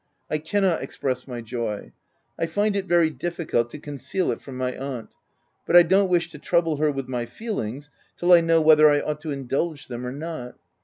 I cannot express my joy — I find it very difficult to conceal it from my aunt ; but I don't wish to trouble her with my feelings till I know whether I ought to indulge them or not.